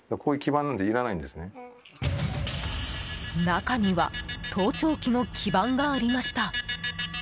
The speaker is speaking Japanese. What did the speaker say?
中には盗聴器の基板がありました。